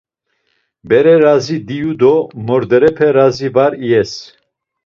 Bere razi diyu do morderepe razi var iyes.